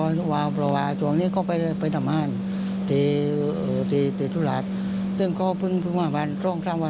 แล้วคนที่ขี่มาเนี่ยเขาเข้ามีตะโกนเรียกใครมั้ยครับ